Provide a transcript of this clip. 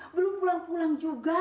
belum pulang pulang juga